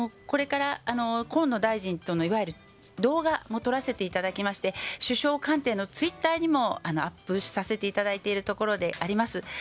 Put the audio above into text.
これから河野大臣との、いわゆる動画も撮らせていただきまして首相官邸のツイッターにもアップをさせていただいているところであります。